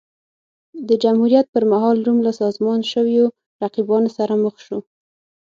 د جمهوریت پرمهال روم له سازمان شویو رقیبانو سره مخ شو